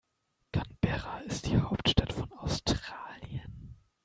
Canberra ist die Hauptstadt von Australien.